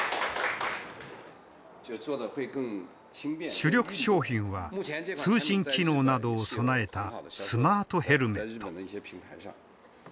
主力商品は通信機能などを備えたスマートヘルメット。